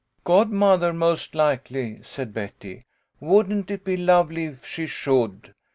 " Godmother, most likely," said Betty. " Wouldn't it be lovely if she should